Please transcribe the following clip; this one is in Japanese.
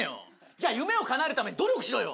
じゃあ夢をかなえるために努力しろよ。